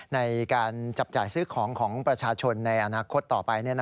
ในการจับจ่ายซื้อของของประชาชนในอนาคตต่อไป